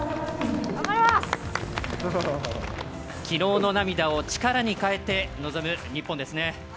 きのうの涙を力に変えて臨む日本ですね。